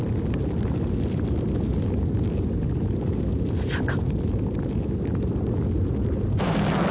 まさか！